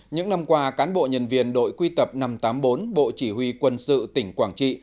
những năm qua cán bộ nhân viên đội quy tập năm trăm tám mươi bốn bộ chỉ huy quân sự tỉnh quảng trị